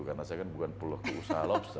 karena saya kan bukan puluh ke usaha lobster